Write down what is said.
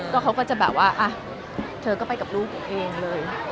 ก็เขาก็จะแบบว่าเธอก็ไปกับลูกเองเลย